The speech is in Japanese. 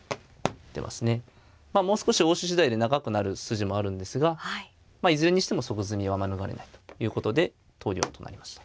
もう少し応酬次第で長くなる筋もあるんですがいずれにしても即詰みは免れないということで投了となりました。